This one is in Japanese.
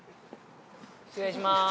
失礼します。